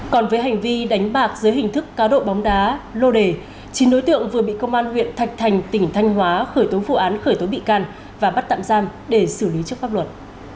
còn với hành vi đánh bạc dưới hình thức cá độ bóng đá lô đề chín đối tượng vừa bị công an huyện thạch thành tỉnh thanh hóa khởi tố vụ án khởi tố bị can và bắt tạm giam để xử lý trước pháp luật